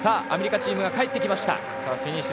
アメリカチームがかえってきました。